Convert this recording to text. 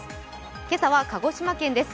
今朝は鹿児島県です。